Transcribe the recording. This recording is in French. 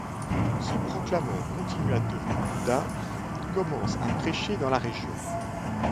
Se proclamant continuateur du Bouddha, il commence à prêcher dans la région.